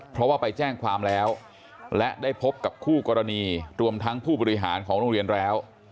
เพราะว่าไปแจ้งความแล้วและได้พบกับคู่กรณีรวมทั้งผู้บริหารของโรงเรียนแล้ว